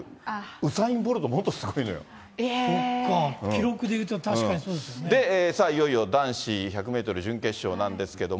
ウサイン・ボルト、そっかあ、記録でいうと確かいよいよ男子１００メートル準決勝なんですけれども。